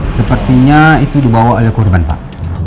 sepertinya itu dibawa oleh korban pak